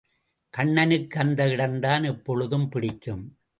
கண்ணனுக்கு அந்த இடம்தான் எப்பொழுதும் பிடிக்கும்.